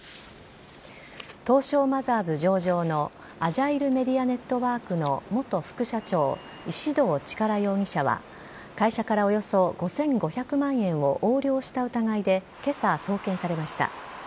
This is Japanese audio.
東証マザーズ上場のアジャイルメディア・ネットワークの元副社長、石動力容疑者は、会社からおよそ５５００万円を横領した疑いで、けさ送検されました。